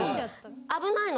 危ないの。